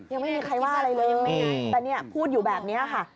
ยังไม่มีใครว่าอะไรเลยแต่เนี่ยพูดอยู่แบบนี้ค่ะ